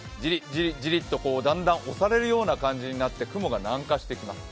じりじりとだんだん押されるような感じになって雲が南下してきます。